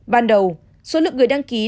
ban đầu số lượng người đăng ký